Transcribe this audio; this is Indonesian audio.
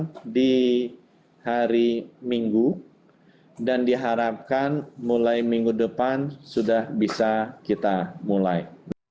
kita di hari minggu dan diharapkan mulai minggu depan sudah bisa kita mulai